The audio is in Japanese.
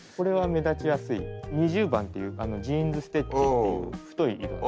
２０番っていうジーンズステッチっていう太い糸なんですね。